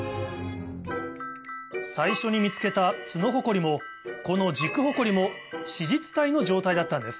最初に見つけたツノホコリもこのジクホコリも子実体の状態だったんです